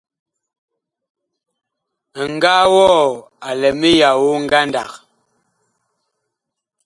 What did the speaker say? Ŋgaa wɔɔ a lɛ miyao ngandag.